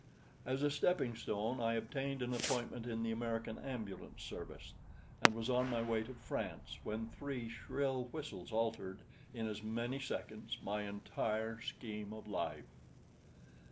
As a stepping stone I obtained an appointment in the American ambulance service and was on my way to France when three shrill whistles altered, in as many seconds, my entire scheme of life.